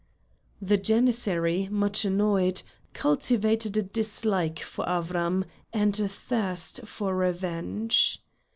The Janissary, much annoyed, cultivated a dislike for Avram and a thirst for revenge.